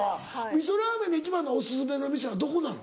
味噌ラーメンの一番のお薦めの店はどこなの？